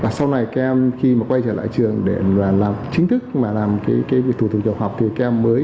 và sau này các em khi mà quay trở lại trường để làm chính thức mà làm cái thủ tục học học thì các em mới